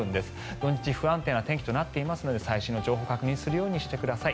土日、不安定な天気となっていますので最新の情報を確認するようにしてください。